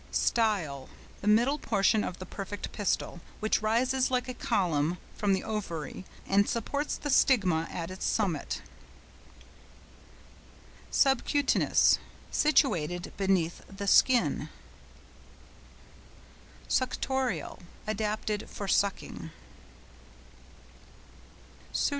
STYLE.—The middle portion of the perfect pistil, which rises like a column from the ovary and supports the stigma at its summit. SUBCUTANEOUS.—Situated beneath the skin. SUCTORIAL.—Adapted for sucking.